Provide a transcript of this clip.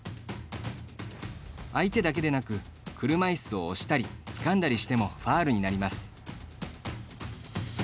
相手だけでなく、車いすを押したり、つかんだりしてもファウルになります。